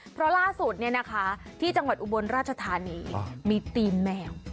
เพราะล่าสุดเนี่ยนะคะที่จังหวัดอุบลราชธานีมีตีนแมว